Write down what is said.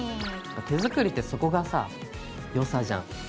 手作りってそこがさよさじゃん。